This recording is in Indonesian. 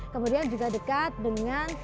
kemudian juga dekat dengan